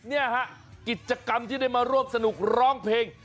เนี่ยฮะกิจกรรมที่ได้มาร่วมสนุกร้องเพลง